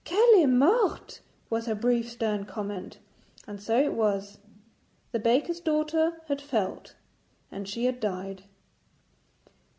'Qu'elle est morte,' was her brief stern comment. And so it was. The baker's daughter had felt, and she had died.